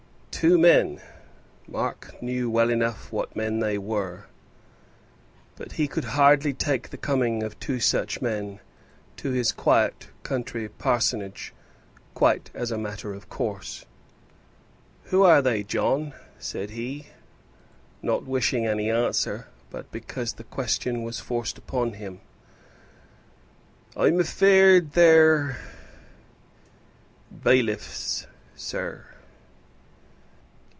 Two men! Mark knew well enough what men they were, but he could hardly take the coming of two such men to his quiet country parsonage quite as a matter of course. "Who are they, John?" said he, not wishing any answer, but because the question was forced upon him. "I'm afeard they're bailiffs, sir."